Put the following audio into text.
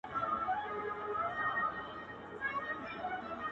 چي د ژوند پیکه رنګونه زرغونه سي,